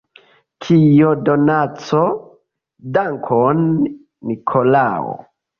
Kia donaco: dankon, Nikolao!